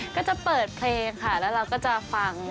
ก็จะเปิดเพลงค่ะแล้วเราก็จะฟัง